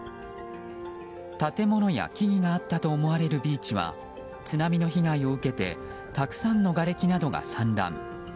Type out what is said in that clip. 建物や木々があったと思われるビーチは津波の被害を受けてたくさんのがれきなどが散乱。